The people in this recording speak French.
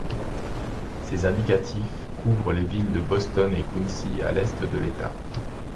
Ces indicatifs couvrent les villes de Boston et Quincy à l'est de l'État.